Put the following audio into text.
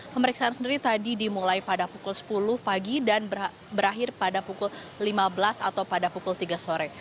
pemeriksaan sendiri tadi dimulai pada pukul sepuluh pagi dan berakhir pada pukul lima belas atau pada pukul tiga sore